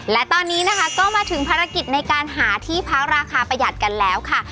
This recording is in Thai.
และตอนนี้นะคะก็มาถึงภารกิจในการหาที่พักราคาประหยัดกันแล้วค่ะ